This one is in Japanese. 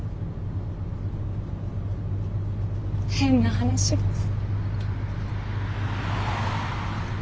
変な話です。